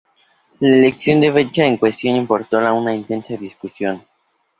La elección de la fecha en cuestión importó una extensa discusión.